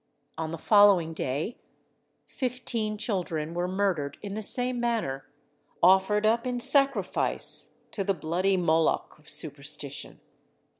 On the following day fifteen children were murdered in the same manner, offered up in sacrifice to the bloody Moloch of superstition.